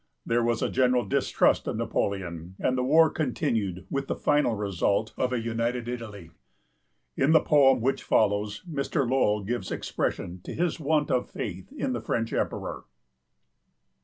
There was a general distrust of Napoleon, and the war continued with the final result of a united Italy. In the poem which follows Mr. Lowell gives expression to his want of faith in the French emperor.